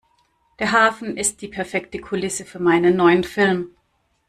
Der Hafen ist die perfekte Kulisse für meinen neuen Film.